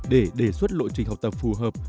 để đề xuất lộ trình học tập phù hợp